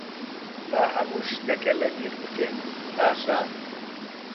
با هەموو شتەکە لەبیر بکەین، باشە؟